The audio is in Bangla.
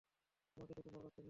তোমাকে দেখে ভালো লাগছে, মেস।